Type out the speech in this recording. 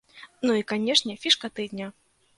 Ну і, канешне, фішка тыдня.